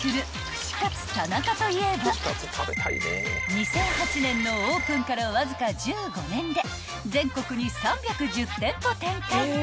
［２００８年のオープンからわずか１５年で全国に３１０店舗展開］